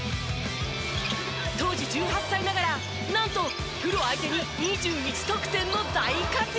当時１８歳ながらなんとプロ相手に２１得点の大活躍！